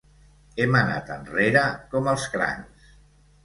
Hem anat enrere com els crancs.